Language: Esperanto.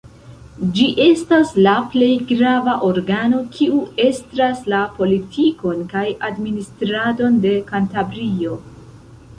Ĝi estas la plej grava organo, kiu estras la politikon kaj administradon de Kantabrio.